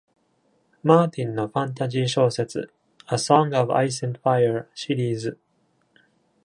マーティンのファンタジー小説「A Song of Ice and Fire」シリーズ。